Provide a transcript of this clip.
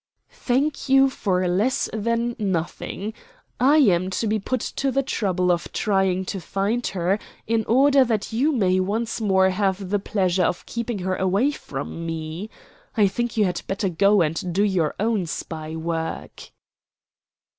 "Thank you for less than nothing. I am to be put to the trouble of trying to find her in order that you may once more have the pleasure of keeping her away from me. I think you had better go and do your own spy work."